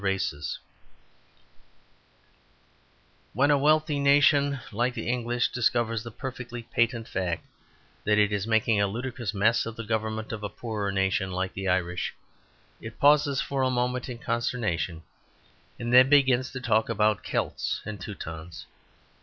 When a wealthy nation like the English discovers the perfectly patent fact that it is making a ludicrous mess of the government of a poorer nation like the Irish, it pauses for a moment in consternation, and then begins to talk about Celts and Teutons.